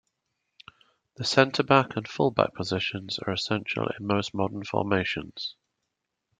The centre-back and full-back positions are essential in most modern formations.